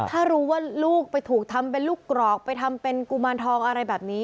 ถ้ารู้ว่าลูกไปถูกทำเป็นลูกกรอกไปทำเป็นกุมารทองอะไรแบบนี้